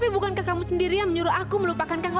bumi ini begitu luas mir